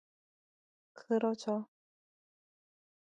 그러죠!